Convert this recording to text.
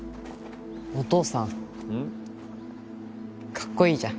かっこいいじゃん。